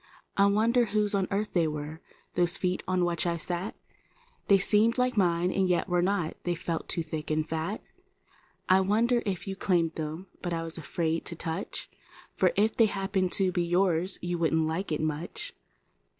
I wondered whose on earth they were— those feet on which I sat; They seemed like mine and yet were not; they felt too thick and fat. I wondered if you claimed was afraid to touch. For if they happened to be wouldn't like it much.